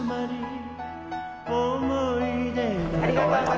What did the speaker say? ありがとうございます。